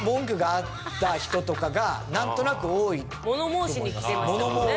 物申しに来てましたもんね。